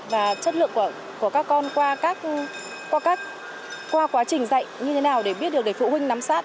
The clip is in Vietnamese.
và chất lượng của các con qua quá trình dạy như thế nào để biết được để phụ huynh nắm sát